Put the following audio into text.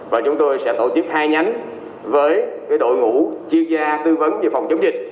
và chúng tôi sẽ tổ chức hai nhánh với đội ngũ chuyên gia tư vấn về phòng chống dịch